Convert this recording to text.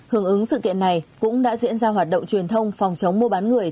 hướng ứng sự kiện này cũng đã diễn ra hoạt động truyền thông phòng chống mô bán người